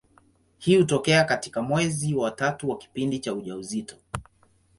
Hii hutokea katika mwezi wa tatu wa kipindi cha ujauzito.